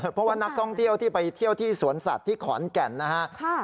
เพราะว่านักท่องเที่ยวที่ไปเที่ยวที่สวนสัตว์ที่ขอนแก่นนะฮะ